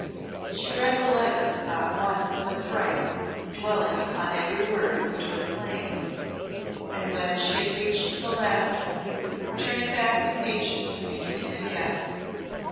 She read the letter, not once, but thrice, dwelling upon every word, 'twas plain; and when she had reached the last one, turning back the pages and beginning again.